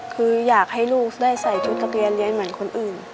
คืออยากให้ลูกได้ใส่ชุดนักเรียนเรียนเหมือนคนอื่น